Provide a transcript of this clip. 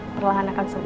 perlahan akan sembuh